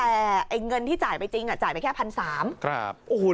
แต่เงินที่จ่ายไปจริงจ่ายไปแค่๑๓๐๐บาท